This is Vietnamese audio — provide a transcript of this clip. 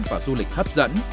và du lịch hấp dẫn